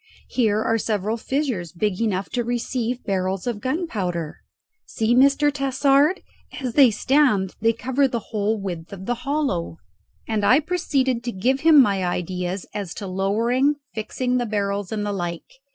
Here are several fissures big enough to receive barrels of gunpowder. See, Mr. Tassard, as they stand they cover the whole width of the hollow." And I proceeded to give him my ideas as to lowering, fixing the barrels, and the like.